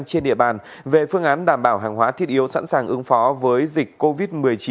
trên địa bàn về phương án đảm bảo hàng hóa thiết yếu sẵn sàng ứng phó với dịch covid một mươi chín